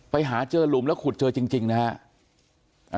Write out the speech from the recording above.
ไปเจอหลุมแล้วขุดเจอจริงนะฮะ